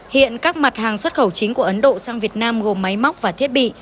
hiện các mặt hàng xuất khẩu chính của ấn độ sang việt nam gồm máy móc và thiết bị